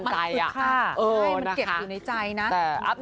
เก็บอยู่ในใจนะ